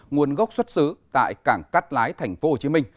nguồn gốc xuất xứ tại cảng cát lái tp hcm